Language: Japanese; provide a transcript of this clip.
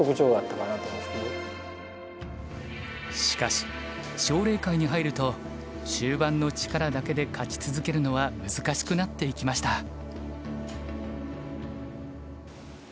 しかし奨励会に入ると終盤の力だけで勝ち続けるのは難しくなっていきました。